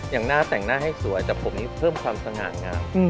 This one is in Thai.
อย่างหน้าแต่งหน้าให้สวยแต่ผมนี่เพิ่มความสง่างาม